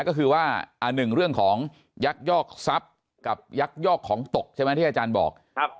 ก็คือว่าหนึ่งเรื่องของยักยอกทรัพย์กับยักยอกของตกใช่ไหมที่อาจารย์บอก